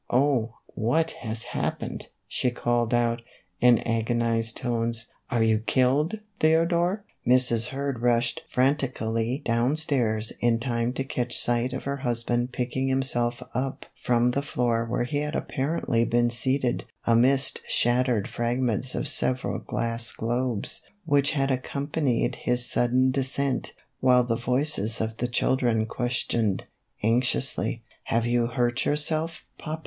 " Oh, what has happened ?" she called out, in agonized tones. " Are you killed, Theodore ?" Mrs. Hurd rushed frantically down stairs in time to catch sight of her husband picking himself up from the floor where he had apparently been seated amidst shattered fragments of several glass globes which had accompanied his sudden descent, while the voices of the children questioned, anxiously, " Have you hurt yourself, papa